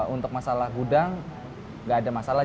untuk masalah gudang nggak ada masalah